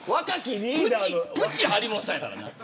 プチ張本さんやからな。